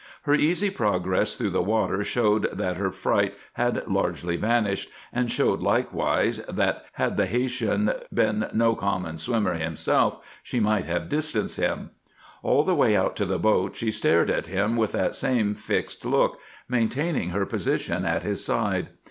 Her easy progress through the water showed that her fright had largely vanished, and showed likewise that, had the Haytian been no uncommon swimmer himself, she might have distanced him. All the way out to the boat she stared at him with that same fixed look, maintaining her position at his side.